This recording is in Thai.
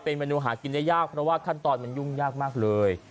เป็นเมนูหากินได้ยากเพราะว่าขั้นตอนมันยุ่งยากมากเลย